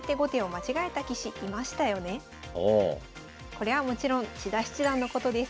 これはもちろん千田七段のことです。